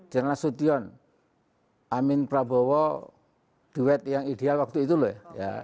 jangan nasution amin prabowo duet yang ideal waktu itu loh ya